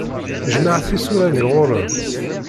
Jmeɛ tisura-nni ɣur-m.